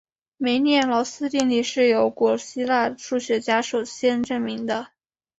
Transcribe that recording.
梅涅劳斯定理是由古希腊数学家首先证明的。